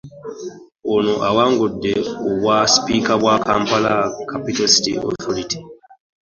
Ono awangudde obwa sipiika bwa Kampala Capital City Authority.